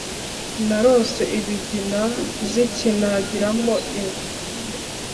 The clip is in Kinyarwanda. Narose Ibigina zikinagiramo ingwe